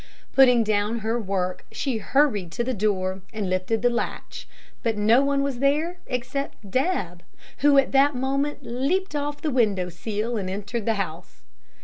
Putting down her work, she hurried to the door and lifted the latch; but no one was there except Deb, who at that moment leaped off the window sill and entered the house.